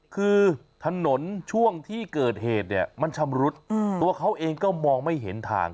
คือถนนช่วงที่เกิดเหตุเนี่ยมันชำรุดตัวเขาเองก็มองไม่เห็นทาง